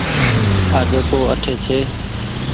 آجو ڪو اٺي ڇي ۔